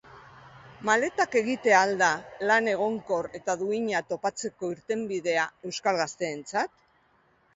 Maletak egitea al da lan egonkor eta duina topatzeko irtenbidea euskal gazteentzat?